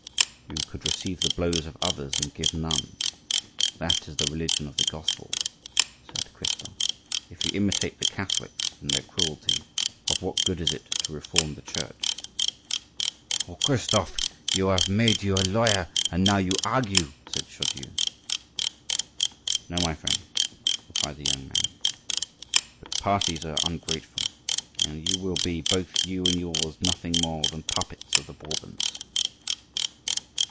'" "You should receive the blows of others and give none; that is the religion of the gospel," said Christophe. "If you imitate the Catholics in their cruelty, of what good is it to reform the Church?" "Oh! Christophe, they have made you a lawyer, and now you argue!" said Chaudieu. "No, my friend," replied the young man, "but parties are ungrateful; and you will be, both you and yours, nothing more than puppets of the Bourbons."